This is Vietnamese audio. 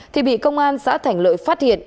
thì bị công an xã thành lợi phát hiện